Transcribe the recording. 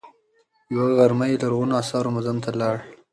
یوه غرمه یې لرغونو اثارو موزیم ته لاړ.